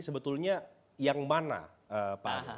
sebetulnya yang mana pak